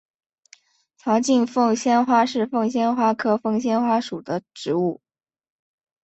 槽茎凤仙花是凤仙花科凤仙花属的植物。